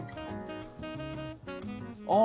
あ！